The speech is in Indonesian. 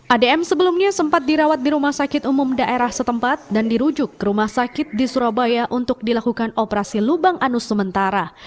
adm sebelumnya sempat dirawat di rumah sakit umum daerah setempat dan dirujuk ke rumah sakit di surabaya untuk dilakukan operasi lubang anus sementara